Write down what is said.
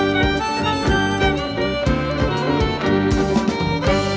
สวัสดีครับ